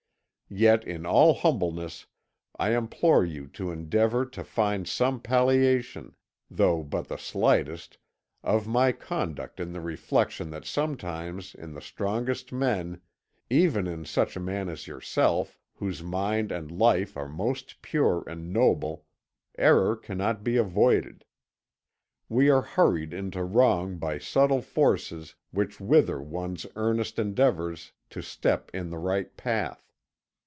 Yet in all humbleness I implore you to endeavour to find some palliation, though but the slightest, of my conduct in the reflection that sometimes in the strongest men even in such a man as yourself, whose mind and life are most pure and noble error cannot be avoided. We are hurried into wrong by subtle forces which wither one's earnest endeavours to step in the right path.